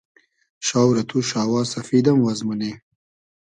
شاو رۂ تو شاوا سئفید ام واز مونی